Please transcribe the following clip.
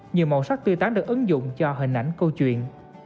nhiều màu sắc tươi tán được ứng dụng cho hình ảnh câu chuyện